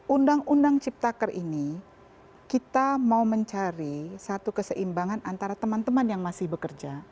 undang undang ciptaker ini kita mau mencari satu keseimbangan antara teman teman yang masih bekerja